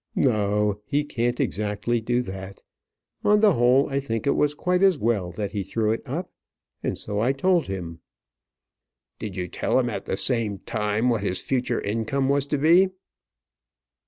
"Ha! ha! ha! no, he can't exactly do that. On the whole, I think it was quite as well that he threw it up; and so I told him." "Did you tell him at the same time what his future income was to be?"